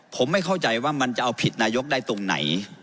ผมไม่เข้าใจว่ามันจะเอาผิดนายกได้ตรงไหน